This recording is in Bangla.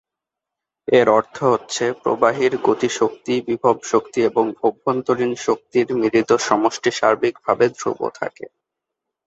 এর অর্থ হচ্ছে, প্রবাহীর গতি শক্তি, বিভব শক্তি এবং অভ্যন্তরীণ শক্তির মিলিত সমষ্টি সার্বিকভাবে ধ্রুব থাকে।